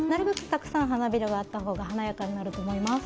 たくさん花びらがあったほうが華やかになると思います。